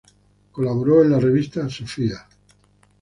Colaboró en la revista "Sophia".